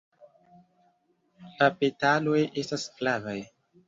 La petaloj estas flavaj.